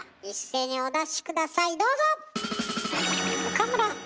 岡村。